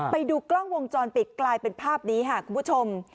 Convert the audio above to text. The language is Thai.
ไปดูกล้องวงจรปิดกลายเป็นภาพนี้ค่ะคุณผู้ชม